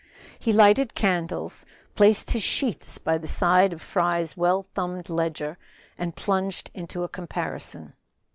He lighted candles, placed his sheets by the side of Fry's well thumbed ledger, and plunged into a comparison.